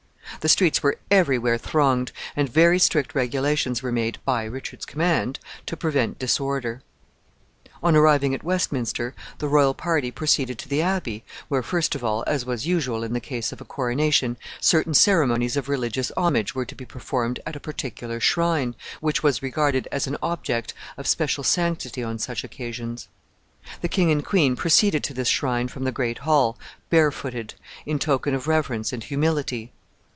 The streets were every where thronged, and very strict regulations were made, by Richard's command, to prevent disorder. On arriving at Westminster, the royal party proceeded to the Abbey, where, first of all, as was usual in the case of a coronation, certain ceremonies of religious homage were to be performed at a particular shrine, which was regarded as an object of special sanctity on such occasions. The king and queen proceeded to this shrine from the great hall, barefooted, in token of reverence and humility.